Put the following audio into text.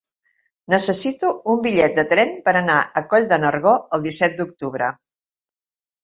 Necessito un bitllet de tren per anar a Coll de Nargó el disset d'octubre.